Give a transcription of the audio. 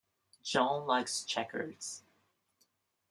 John likes checkers.